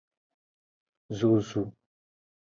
Zozu.